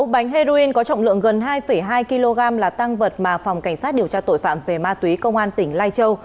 một bánh heroin có trọng lượng gần hai hai kg là tăng vật mà phòng cảnh sát điều tra tội phạm về ma túy công an tỉnh lai châu